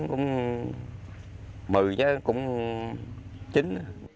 cũng mười chứ cũng chín